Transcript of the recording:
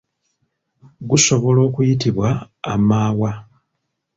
Gusobola okuyitibwa amawa.